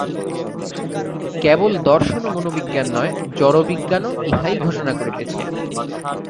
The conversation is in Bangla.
কেবল দর্শন ও মনোবিজ্ঞান নয়, জড়বিজ্ঞানও ইহাই ঘোষণা করিতেছে।